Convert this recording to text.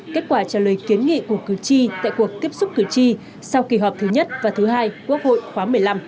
kết quả trả lời kiến nghị của cử tri tại cuộc tiếp xúc cử tri sau kỳ họp thứ nhất và thứ hai quốc hội khóa một mươi năm